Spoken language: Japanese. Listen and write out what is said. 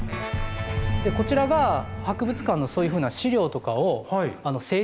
こちらが博物館のそういうふうな資料とかを整理する場所なんです。